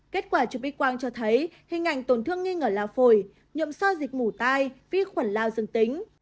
kết quả chụp x quang cho thấy hình ảnh tổn thương nghi ngờ lao phổi nhuộm xoay dịch mủ tai vi khuẩn lao dương tính